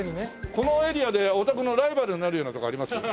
このエリアでお宅のライバルになるようなとこあります？